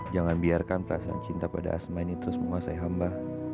jangan biarkan perasaan cinta pada asma ini terus menguasai hamba